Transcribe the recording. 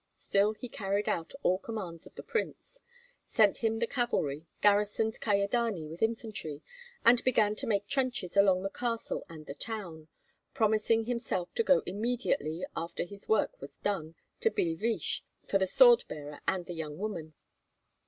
Still he carried out all commands of the prince, sent him the cavalry, garrisoned Kyedani with infantry, and began to make trenches along the castle and the town, promising himself to go immediately after this work was done to Billeviche for the sword bearer and the young woman.